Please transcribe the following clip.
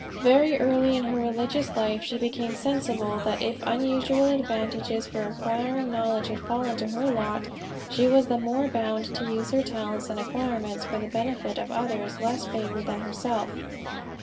Very early in her religious life she became sensible that if unusual advantages for acquiring knowledge had fallen to her lot, she was the more bound to use her talents and acquirements for the benefit of others less favored than herself.